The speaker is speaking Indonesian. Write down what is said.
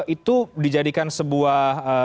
itu dijadikan sebuah